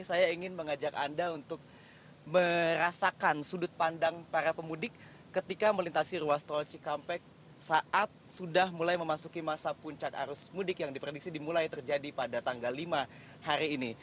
saya ingin mengajak anda untuk merasakan sudut pandang para pemudik ketika melintasi ruas tol cikampek saat sudah mulai memasuki masa puncak arus mudik yang diprediksi dimulai terjadi pada tanggal lima hari ini